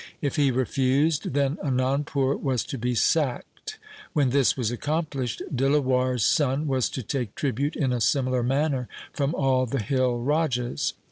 If he refused, then Anandpur was to be sacked. When this was accomplished, Dilawar' s son was to take tribute in a similar manner from all the hill rajas.